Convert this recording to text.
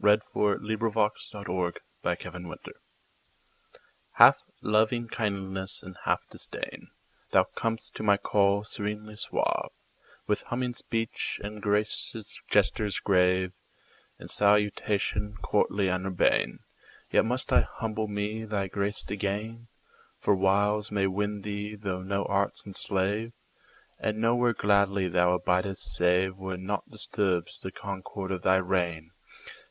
1860 To My Cat HALF loving kindliness and half disdain, Thou comest to my call serenely suave, With humming speech and gracious gestures grave, In salutation courtly and urbane; Yet must I humble me thy grace to gain, For wiles may win thee though no arts enslave, And nowhere gladly thou abidest saveWhere naught disturbs the concord of thy reign.